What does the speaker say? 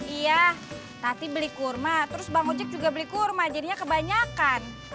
iya nanti beli kurma terus bang ojek juga beli kurma jadinya kebanyakan